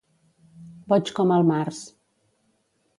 Boig com el març.